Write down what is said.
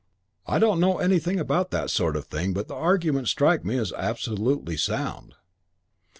I don't know anything about that sort of thing, but the arguments strike me as absolutely sound."